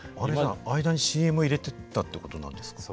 間にＣＭを入れてたってことなんですか？